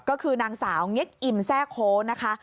ก็คือนางสาวเง็กอิมแทร่โค้นะคะ